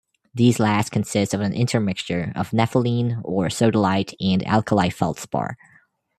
These last consist of an intermixture of nepheline or sodalite and alkali-feldspar.